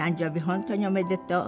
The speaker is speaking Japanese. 本当におめでとう」